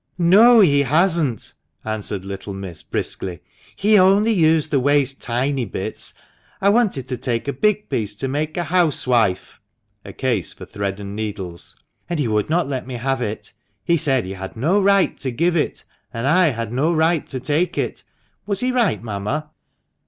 <f No, he hasn't !" answered little miss, briskly. " He only used the waste tiny bits. I wanted to take a big piece to make a housewife" (a case for thread and needles), "and he would not let me have it. He said he had no right to give it, and I had no right to take it. Was he right, mamma